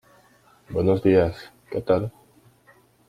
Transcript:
Buenos días, ¿qué tal?